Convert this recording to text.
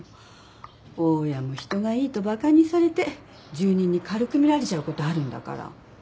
大家も人がいいと馬鹿にされて住人に軽く見られちゃう事あるんだから。